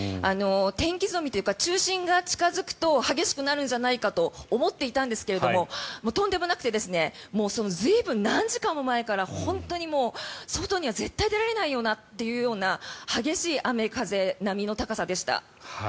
天気図を見ると中心が近付くと激しくなるんじゃないかと思っていたんですけれどとんでもなくてもう随分、何時間も前から外には絶対に出られないよなっていうような激しい雨風、波の高さでした。